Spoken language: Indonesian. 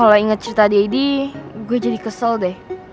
kalau inget cerita deddy gue jadi kesel deh